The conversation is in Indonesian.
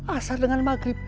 asar dengan maghrib